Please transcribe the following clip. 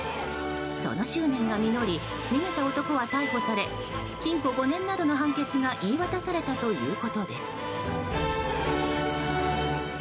その執念が実り逃げた男は逮捕され禁錮５年などの判決が言い渡されたということです。